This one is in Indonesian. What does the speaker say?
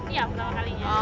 iya pertama kalinya